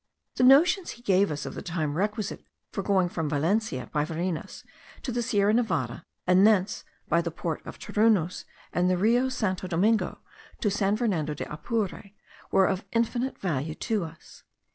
The notions he gave us of the time requisite for going from Valencia by Varinas to the Sierra Nevada, and thence by the port of Torunos, and the Rio Santo Domingo, to San Fernando de Apure, were of infinite value to us.